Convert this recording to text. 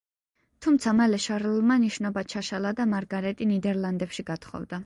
თუმცა მალე შარლმა ნიშნობა ჩაშალა და მარგარეტი ნიდერლანდებში გათხოვდა.